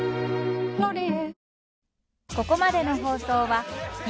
「ロリエ」